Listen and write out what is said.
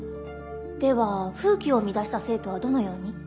では風紀を乱した生徒はどのように？